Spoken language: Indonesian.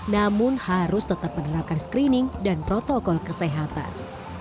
namun harus tetap menerapkan screening dan protokol kesehatan